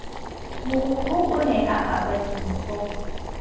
Mogokgo o ne a aba dimpho.